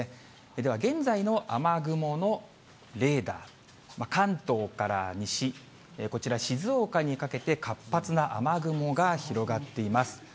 では、現在の雨雲のレーダー、関東から西、こちら、静岡にかけて活発な雨雲が広がっています。